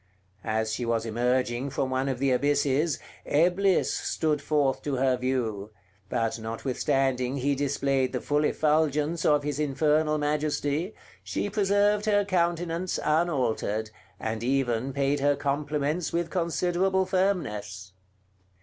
As she was emerging from one of the abysses, Eblis stood forth to her view; but notwithstanding he displayed the full effulgence of his infernal majesty, she preserved her countenance unaltered, and even paid her compliments with considerable firmness.